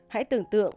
hãy tưởng tượng